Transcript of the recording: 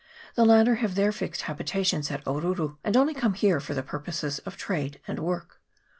The latter have their fixed habitations at Oruru, and only come here for the purposes of trade and work.